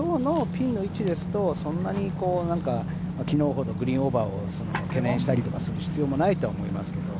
今日のピンの位置ですと、そんなに昨日ほどグリーンオーバーする懸念の必要はないと思います。